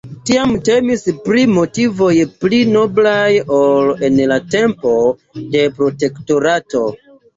Tiam temis pri motivoj pli noblaj ol en la tempo de Protektorato.